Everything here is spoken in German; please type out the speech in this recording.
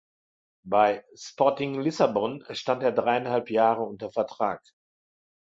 Bei Sporting Lissabon stand er dreieinhalb Jahre unter Vertrag.